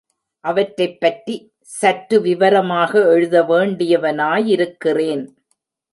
அவற்றைப் பற்றி சற்று விவரமாய் எழுத வேண்டியவனாயிருக்கிறேன்.